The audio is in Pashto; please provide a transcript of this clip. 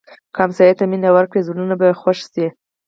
که ګاونډي ته مینه ورکړې، زړونه به خوږ شي